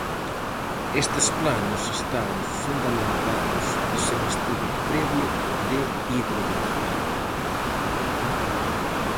Estes planos estaban fundamentados sen estudo previo de hidrodinámica.